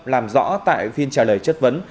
làm rõ tại phiên trả lời chất vấn